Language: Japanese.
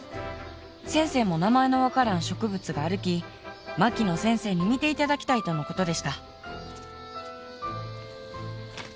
先生も名前の分からん植物があるき槙野先生に見ていただきたいとのことでした」。